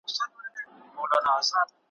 لوند ګرېوان مي دی راوړی زمانې چي هېر مي نه کې `